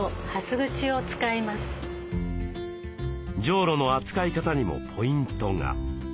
じょうろの扱い方にもポイントが。